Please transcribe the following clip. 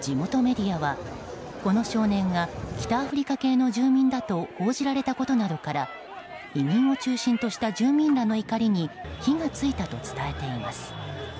地元メディアは、この少年が北アフリカ系の住民だと報じられたことなどから移民を中心とした住民らの怒りに火が付いたと伝えています。